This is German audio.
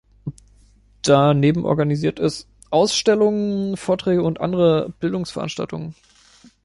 Daneben organisiert es Ausstellungen, Vorträge und andere Bildungsveranstaltungen.